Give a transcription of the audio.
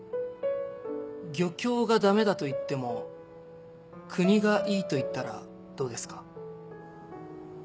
漁協がダメだと言っても国がいいと言ったらどうですか？